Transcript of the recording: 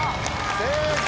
正解。